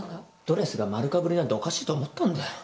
ドレスが丸かぶりなんておかしいと思ったんだよ。